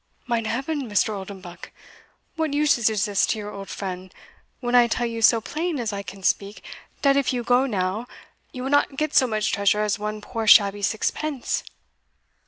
"Mine heaven, Mr. Oldenbuck! what usage is this to your old friend, when I tell you so plain as I can speak, dat if you go now, you will not get so much treasure as one poor shabby sixpence?"